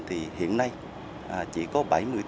thì hiện nay chỉ có bảy mươi tám